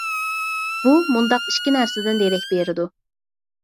بۇ مۇنداق ئىككى نەرسىدىن دېرەك بېرىدۇ.